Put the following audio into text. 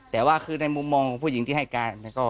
แต่ว่าคือในมุมมองของผู้หญิงที่ให้การ